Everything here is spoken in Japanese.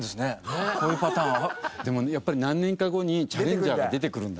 でもやっぱり何年か後にチャレンジャーが出てくるんだね。